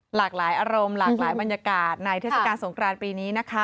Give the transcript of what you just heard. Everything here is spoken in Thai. หลากหลายอารมณ์หลากหลายบรรยากาศในเทศกาลสงครานปีนี้นะคะ